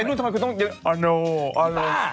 อ่าไม่พี่ป้า